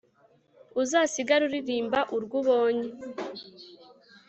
uzasigare uririmba urwo ubonye”